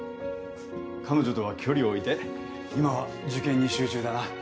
彼女とは距離を置いて今は受験に集中だな